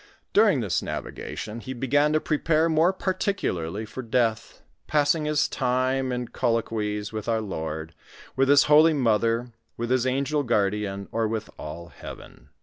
During this navigation he Jgan to prepare more particularly for death, passing his time in colloquies with our Lord, with His holy mother, with his an gel guardian, or with all heaven.